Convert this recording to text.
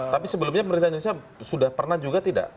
tapi sebelumnya pemerintah indonesia sudah pernah juga tidak